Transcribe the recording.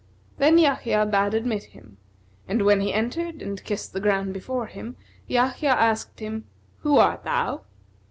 Then Yahya bade admit him; and, when he entered and kissed the ground before him, Yahya asked him, "Who art thou?"